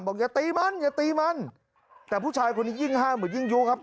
อย่าตีมันอย่าตีมันแต่ผู้ชายคนนี้ยิ่งห้ามเหมือนยิ่งยุครับ